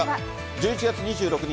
１１月２６日